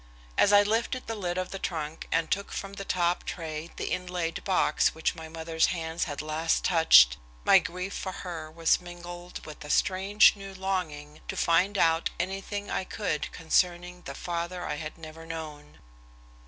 As I lifted the lid of the trunk and took from the top tray the inlaid box which my mother's hands had last touched, my grief for her was mingled with a strange new longing to find out anything I could concerning the father I had never known.